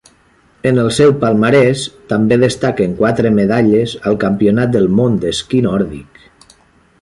En el seu palmarès també destaquen quatre medalles al Campionat del Món d'esquí nòrdic.